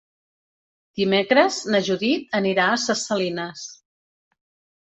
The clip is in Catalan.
Dimecres na Judit anirà a Ses Salines.